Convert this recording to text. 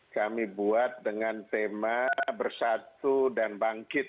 kami buat dengan tema bersatu dan bangkit